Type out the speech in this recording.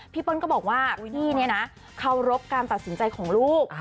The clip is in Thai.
พี่เปิ้ลก็บอกว่าเขารบการตัดสินใจของลูก